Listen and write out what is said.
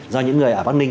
do những người ở bắc ninh